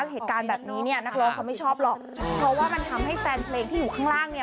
เหตุการณ์แบบนี้เนี่ยนักร้องเขาไม่ชอบหรอกเพราะว่ามันทำให้แฟนเพลงที่อยู่ข้างล่างเนี่ย